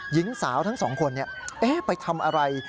หญิงสาวทั้งสองคนไปทำอะไร